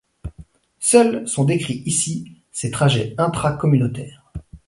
Seuls sont décrits ici ces trajets intra-communautaires.